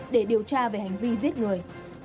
để điều tra về hành vi giết người